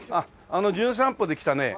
あの『じゅん散歩』で来たねええ